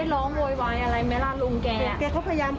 ปกป้องอย่าเอาไปอย่าเอาไปอะไรประมาณนี้